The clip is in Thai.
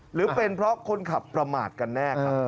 หรือเป็นเพราะคนขับประมาทกันแน่ครับ